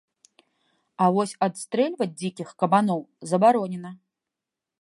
А вось адстрэльваць дзікіх кабаноў забаронена.